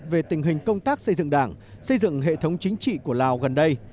về tình hình công tác xây dựng đảng xây dựng hệ thống chính trị của lào gần đây